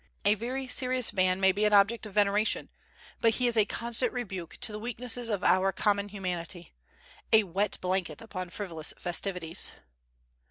A very serious man may be an object of veneration; but he is a constant rebuke to the weaknesses of our common humanity, a wet blanket upon frivolous festivities.